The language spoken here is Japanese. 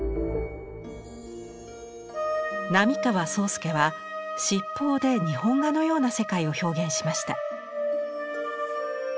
濤川惣助は七宝で日本画のような世界を表現しました。